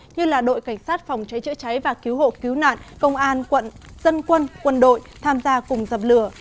như đội cảnh sát phòng cháy chữa cháy và cứu hộ cứu nạn công an quận dân quân quân đội tham gia cùng dập lửa